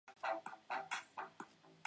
父亲李晟。